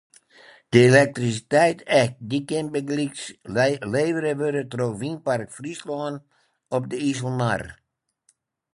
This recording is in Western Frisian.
De elektrisiteit ek: dy kin bygelyks levere wurde troch Wynpark Fryslân op de Iselmar.